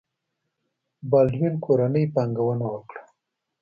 بالډوین کورنۍ پانګونه وکړه.